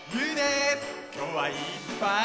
きょうはいっぱい。